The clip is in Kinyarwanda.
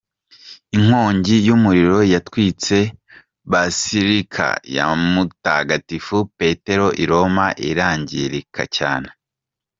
Inkongi y’umuriro yatwitse Basilica ya mutagatifu petero i Roma irangirika cyane.